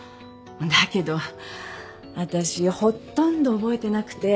だけど私ほとんど覚えてなくて。